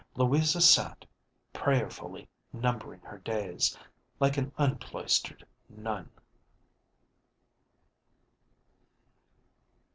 Louisa sat, prayerfully numbering her days, like an uncloistered nun.